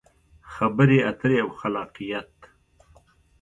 خبرې اترې او خلاقیت: